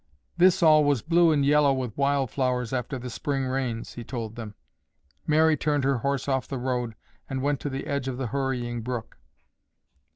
"This all was blue and yellow with wild flowers after the spring rains," he told them. Mary turned her horse off the road and went to the edge of the hurrying brook.